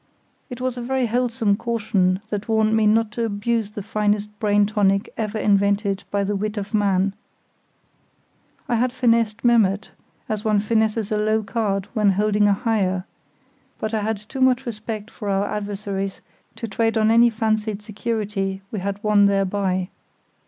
It was a very wholesome caution that warned me not to abuse the finest brain tonic ever invented by the wit of man. I had finessed Memmert, as one finesses a low card when holding a higher; but I had too much respect for our adversaries to trade on any fancied security we had won thereby.